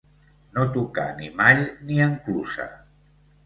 No tocar ni mall ni enclusa.